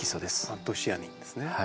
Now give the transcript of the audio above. アントシアニンですね。